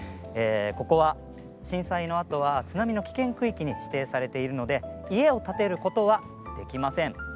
ここは震災のあとは津波の危険区域に指定されているので家を建てることはできません。